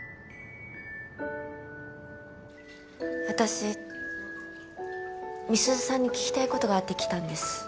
私美鈴さんに聞きたいことがあって来たんです。